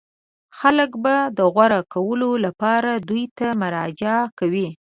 خلک به د غوره کولو لپاره دوی ته مراجعه کوي.